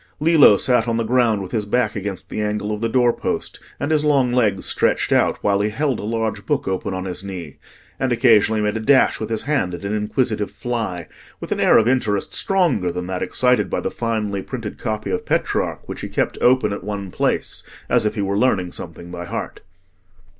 Lillo sat on the ground with his back against the angle of the door post, and his long legs stretched out, while he held a large book open on his knee, and occasionally made a dash with his hand at an inquisitive fly, with an air of interest stronger than that excited by the finely printed copy of Petrarch which he kept open at one place, as if he were learning something by heart.